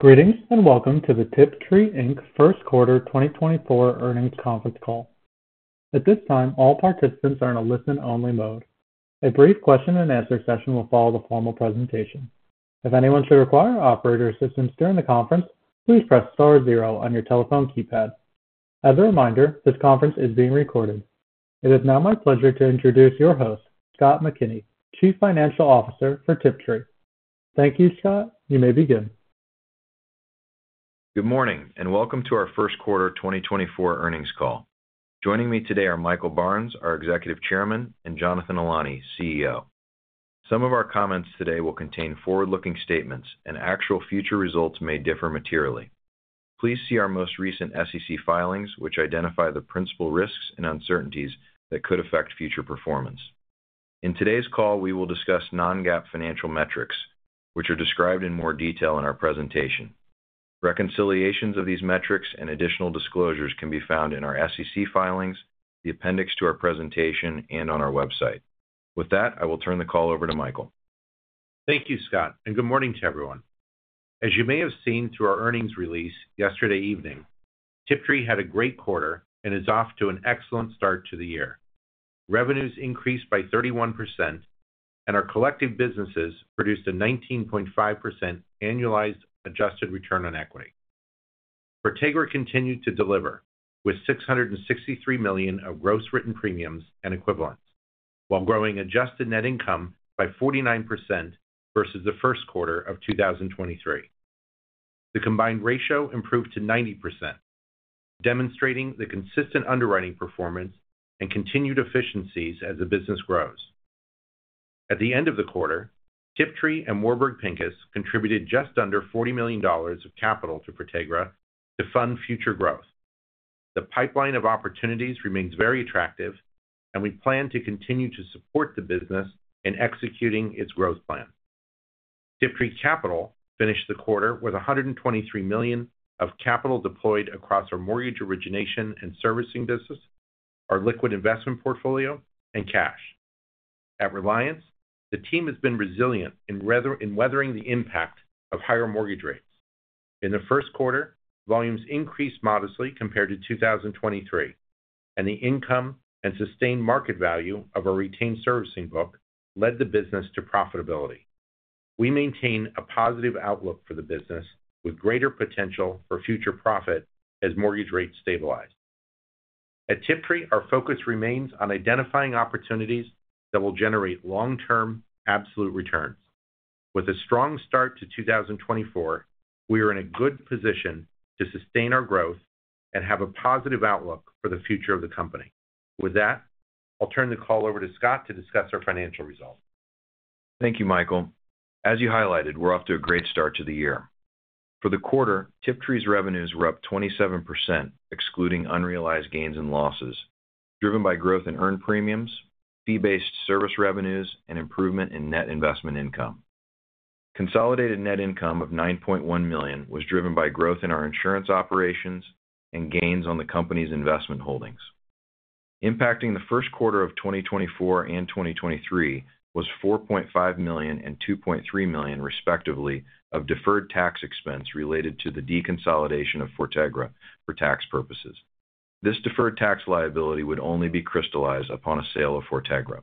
Greetings, and welcome to the Tiptree Inc. First Quarter 2024 Earnings Conference Call. At this time, all participants are in a listen-only mode. A brief question and answer session will follow the formal presentation. If anyone should require operator assistance during the conference, please press star zero on your telephone keypad. As a reminder, this conference is being recorded. It is now my pleasure to introduce your host, Scott McKinney, Chief Financial Officer for Tiptree. Thank you, Scott. You may begin. Good morning, and welcome to our first quarter 2024 earnings call. Joining me today are Michael Barnes, our Executive Chairman, and Jonathan Ilany, CEO. Some of our comments today will contain forward-looking statements, and actual future results may differ materially. Please see our most recent SEC filings, which identify the principal risks and uncertainties that could affect future performance. In today's call, we will discuss non-GAAP financial metrics, which are described in more detail in our presentation. Reconciliations of these metrics and additional disclosures can be found in our SEC filings, the appendix to our presentation, and on our website. With that, I will turn the call over to Michael. Thank you, Scott, and good morning to everyone. As you may have seen through our earnings release yesterday evening, Tiptree had a great quarter and is off to an excellent start to the year. Revenues increased by 31%, and our collective businesses produced a 19.5% annualized adjusted return on equity. Fortegra continued to deliver with $663 million of gross written premiums and equivalents, while growing adjusted net income by 49% versus the first quarter of 2023. The combined ratio improved to 90%, demonstrating the consistent underwriting performance and continued efficiencies as the business grows. At the end of the quarter, Tiptree and Warburg Pincus contributed just under $40 million of capital to Fortegra to fund future growth. The pipeline of opportunities remains very attractive, and we plan to continue to support the business in executing its growth plan. Tiptree Capital finished the quarter with $123 million of capital deployed across our mortgage origination and servicing business, our liquid investment portfolio, and cash. At Reliance, the team has been resilient in weathering the impact of higher mortgage rates. In the first quarter, volumes increased modestly compared to 2023, and the income and sustained market value of our retained servicing book led the business to profitability. We maintain a positive outlook for the business, with greater potential for future profit as mortgage rates stabilize. At Tiptree, our focus remains on identifying opportunities that will generate long-term absolute returns. With a strong start to 2024, we are in a good position to sustain our growth and have a positive outlook for the future of the company. With that, I'll turn the call over to Scott to discuss our financial results. Thank you, Michael. As you highlighted, we're off to a great start to the year. For the quarter, Tiptree's revenues were up 27%, excluding unrealized gains and losses, driven by growth in earned premiums, fee-based service revenues, and improvement in net investment income. Consolidated net income of $9.1 million was driven by growth in our insurance operations and gains on the company's investment holdings. Impacting the first quarter of 2024 and 2023 was $4.5 million and $2.3 million, respectively, of deferred tax expense related to the deconsolidation of Fortegra for tax purposes. This deferred tax liability would only be crystallized upon a sale of Fortegra.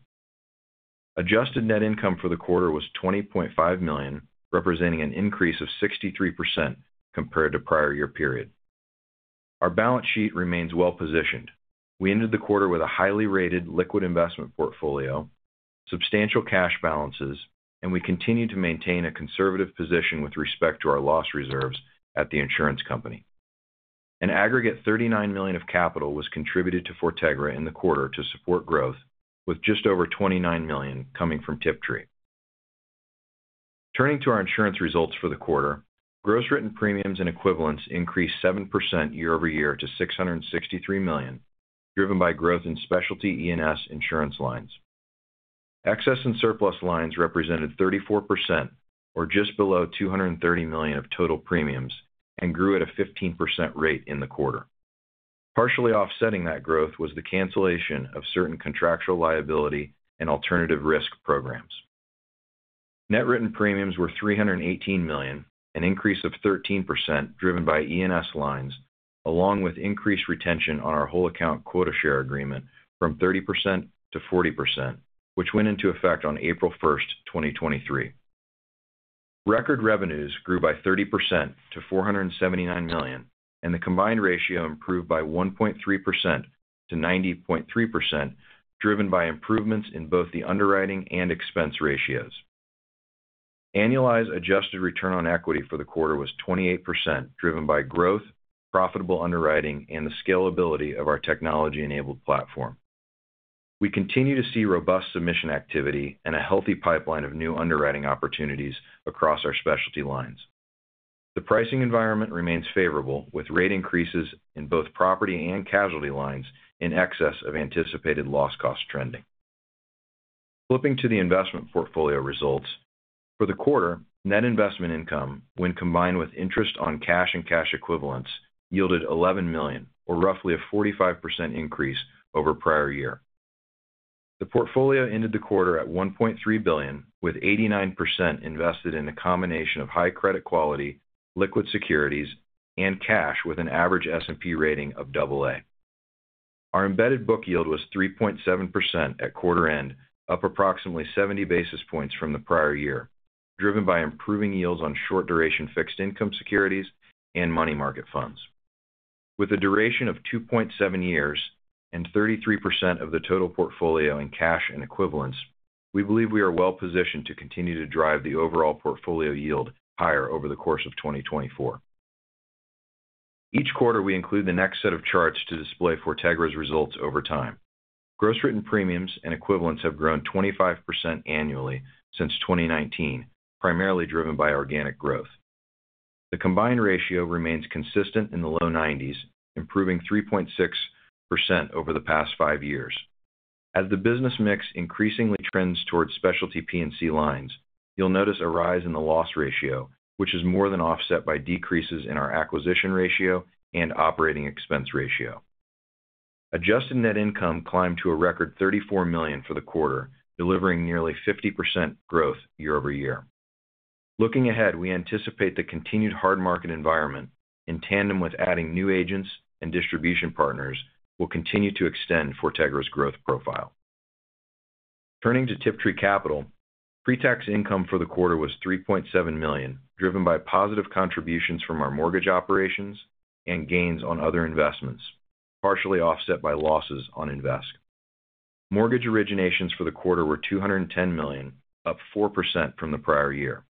Adjusted net income for the quarter was $20.5 million, representing an increase of 63% compared to prior year period. Our balance sheet remains well-positioned. We ended the quarter with a highly rated liquid investment portfolio, substantial cash balances, and we continue to maintain a conservative position with respect to our loss reserves at the insurance company. An aggregate $39 million of capital was contributed to Fortegra in the quarter to support growth, with just over $29 million coming from Tiptree. Turning to our insurance results for the quarter, gross written premiums and equivalents increased 7% year-over-year to $663 million, driven by growth in specialty E&S insurance lines. Excess and surplus lines represented 34% or just below $230 million of total premiums and grew at a 15% rate in the quarter. Partially offsetting that growth was the cancellation of certain contractual liability and alternative risk programs. Net written premiums were $318 million, an increase of 13%, driven by E&S lines, along with increased retention on our whole account quota share agreement from 30%-40%, which went into effect on April 1, 2023. Record revenues grew by 30% to $479 million, and the combined ratio improved by 1.3%-90.3%, driven by improvements in both the underwriting and expense ratios. Annualized adjusted return on equity for the quarter was 28%, driven by growth, profitable underwriting, and the scalability of our technology-enabled platform. We continue to see robust submission activity and a healthy pipeline of new underwriting opportunities across our specialty lines. The pricing environment remains favorable, with rate increases in both property and casualty lines in excess of anticipated loss cost trending. Flipping to the investment portfolio results, for the quarter, net investment income, when combined with interest on cash and cash equivalents, yielded $11 million, or roughly a 45% increase over prior year. The portfolio ended the quarter at $1.3 billion, with 89% invested in a combination of high credit quality, liquid securities, and cash, with an average S&P rating of AA. Our embedded book yield was 3.7% at quarter end, up approximately 70 basis points from the prior year, driven by improving yields on short-duration fixed income securities and money market funds. With a duration of 2.7 years and 33% of the total portfolio in cash and equivalents, we believe we are well-positioned to continue to drive the overall portfolio yield higher over the course of 2024. Each quarter, we include the next set of charts to display Fortegra's results over time. Gross written premiums and equivalents have grown 25% annually since 2019, primarily driven by organic growth. The combined ratio remains consistent in the low 90s, improving 3.6% over the past five years. As the business mix increasingly trends towards specialty P&C lines, you'll notice a rise in the loss ratio, which is more than offset by decreases in our acquisition ratio and operating expense ratio. Adjusted net income climbed to a record $34 million for the quarter, delivering nearly 50% growth year-over-year. Looking ahead, we anticipate the continued hard market environment, in tandem with adding new agents and distribution partners, will continue to extend Fortegra's growth profile. Turning to Tiptree Capital, pretax income for the quarter was $3.7 million, driven by positive contributions from our mortgage operations and gains on other investments, partially offset by losses on Invesque. Mortgage originations for the quarter were $210 million, up 4% from the prior year.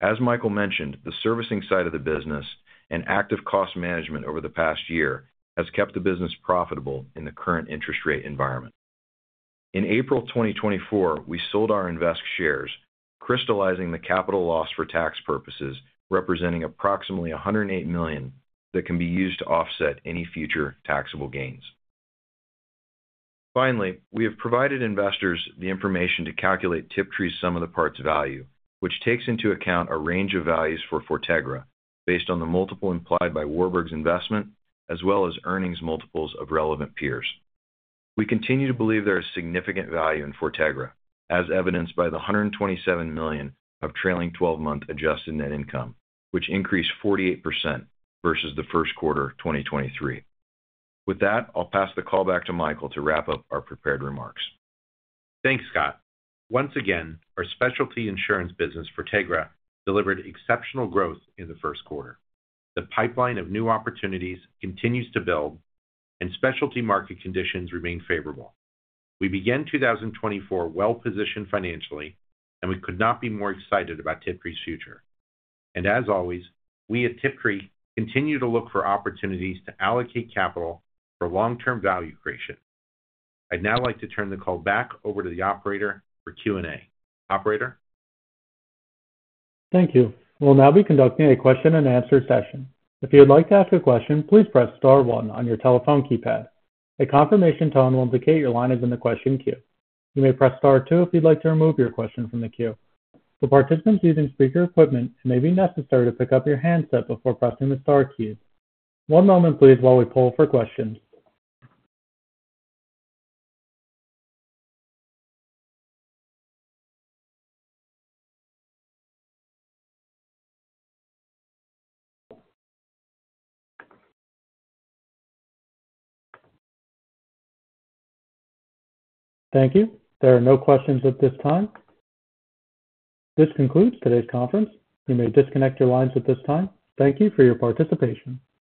As Michael mentioned, the servicing side of the business and active cost management over the past year has kept the business profitable in the current interest rate environment. In April 2024, we sold our Invesque shares, crystallizing the capital loss for tax purposes, representing approximately $108 million that can be used to offset any future taxable gains. Finally, we have provided investors the information to calculate Tiptree's sum of the parts value, which takes into account a range of values for Fortegra based on the multiple implied by Warburg's investment, as well as earnings multiples of relevant peers. We continue to believe there is significant value in Fortegra, as evidenced by the $127 million of trailing twelve-month adjusted net income, which increased 48% versus the first quarter of 2023. With that, I'll pass the call back to Michael to wrap up our prepared remarks. Thanks, Scott. Once again, our specialty insurance business, Fortegra, delivered exceptional growth in the first quarter. The pipeline of new opportunities continues to build, and specialty market conditions remain favorable. We began 2024 well-positioned financially, and we could not be more excited about Tiptree's future. As always, we at Tiptree continue to look for opportunities to allocate capital for long-term value creation. I'd now like to turn the call back over to the operator for Q&A. Operator? Thank you. We'll now be conducting a question-and-answer session. If you'd like to ask a question, please press star one on your telephone keypad. A confirmation tone will indicate your line is in the question queue. You may press star two if you'd like to remove your question from the queue. For participants using speaker equipment, it may be necessary to pick up your handset before pressing the star key. One moment please while we poll for questions. Thank you. There are no questions at this time. This concludes today's conference. You may disconnect your lines at this time. Thank you for your participation.